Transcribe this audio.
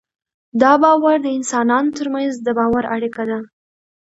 دا باور د انسانانو تر منځ د باور اړیکه ده.